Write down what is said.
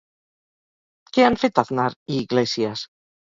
Què han fet Aznar i Iglesias?